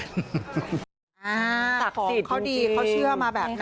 อ่าสักศีรจรรย์จริงเขาดีเขาเชื่อมาแบบนี้ค่ะ